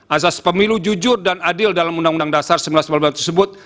azas pemilu jujur dan adil dalam undang undang dasar seribu sembilan ratus empat puluh lima tersebut